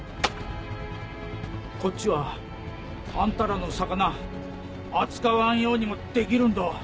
こっちはあんたらの魚扱わんようにもできるんど。